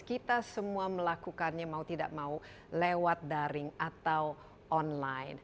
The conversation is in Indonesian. kita semua melakukannya mau tidak mau lewat daring atau online